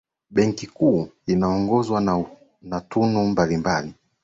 benki kuu inaongozwa kwa tunu mbalimbali